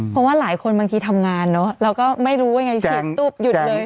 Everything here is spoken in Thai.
เพราะว่าหลายคนบางทีทำงานเนอะเราก็ไม่รู้ว่ายังไงฉีดตุ๊บหยุดเลย